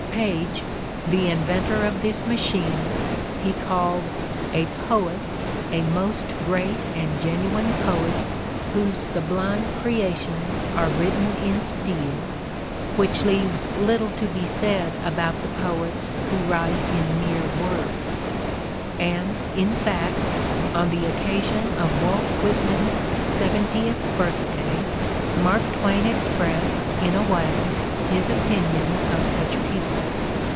Paige, the inventor of this machine, he called "a poet, a most great and genuine poet, whose sublime creations are written iu steel": which leaves little to be said about the poets who write in mere words. And, in fact, on the occa sion of Walt Whitman's seventieth birthday, Mark Twain expressed, in a way, his opinion of such people.